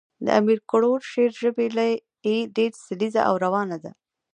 د امیر کروړ شعر ژبه ئي ډېره سلیسه او روانه ده.